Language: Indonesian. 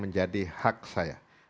menjadi hak saya